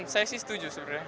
saya sih setuju sebenarnya